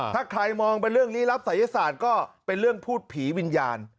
ถ้าใครมองเป็นเรื่องนี้รับศัยศาสตร์ก็เป็นเรื่องพูดผีวิญญาณ